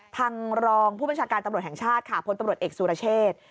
รองผู้บัญชาการตำรวจแห่งชาติค่ะพลตำรวจเอกสุรเชษ